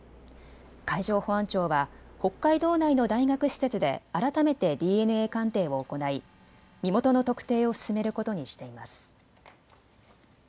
海上保安庁は北海道内の大学施設で改めてＤＮＡ鑑定を行い、身元の特定を進めることにしています。